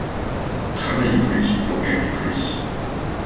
Travailler plus pour gagner plus